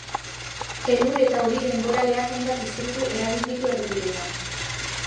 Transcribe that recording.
Elur eta euri denboraleak hainbat istripu eragin ditu errepideetan.